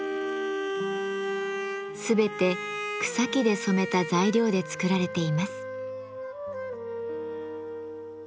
全て草木で染めた材料で作られています。